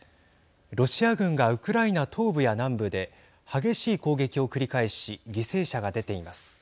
ロシア軍がウクライナ東部や南部で激しい攻撃を繰り返し犠牲者が出ています。